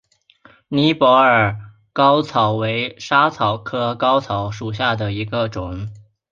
尼泊尔嵩草为莎草科嵩草属下的一个种。